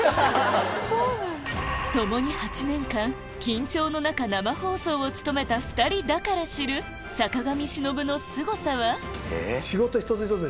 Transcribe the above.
共に８年間緊張の中生放送を務めた２人だから知るハハハハ！